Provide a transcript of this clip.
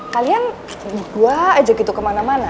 kalian dua aja gitu kemana mana